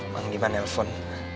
mang di mana telepon